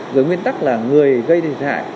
rồi nguyên tắc là người gây ra thiệt hại